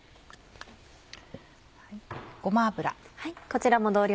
ごま油。